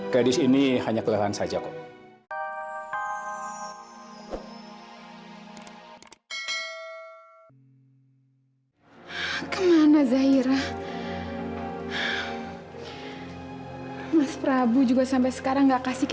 kedis ini hanya kelahiran saja kok